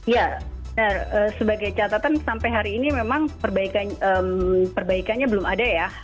ya sebagai catatan sampai hari ini memang perbaikannya belum ada ya